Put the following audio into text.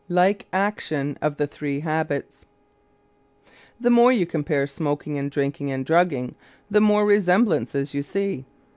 LIKE ACTION OF THE THREE HABITS The more you compare smoking and drinking and drugging, the more resemblances you see.